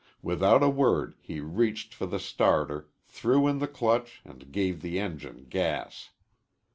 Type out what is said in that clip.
Without a word he reached for the starter, threw in the clutch, and gave the engine gas.